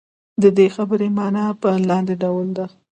د دې خبرې معنا په لاندې ډول ده.